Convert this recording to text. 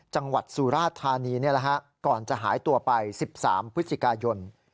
จังหวัดสุราธานีก่อนจะหายตัวไป๑๓พฤศจิกายน